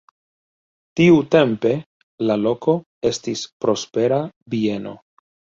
Tiutempe la loko estis prospera bieno.